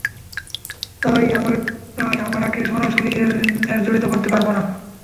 তাই আমরাকে সরাস্যরি এর জড়িত করতে পারব না।